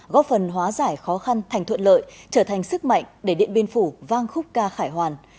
góp phần hóa giải khó khăn thành thuận lợi trở thành sức mạnh để điện biên phủ vang khúc ca khải hoàn